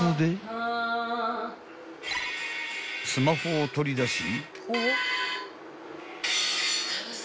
［スマホを取り出し］